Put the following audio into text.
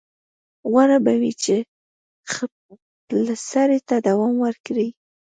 غوره به وي چې خپلسرۍ ته دوام ورکړي.